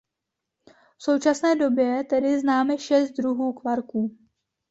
V současné době tedy známe šest druhů kvarků.